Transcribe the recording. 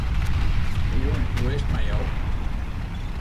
Goejûn, hoe is 't mei jo?